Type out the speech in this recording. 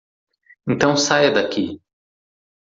Então saia daqui.